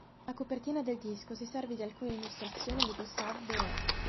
La copertina del disco si serve di alcune illustrazioni di Gustave Doré.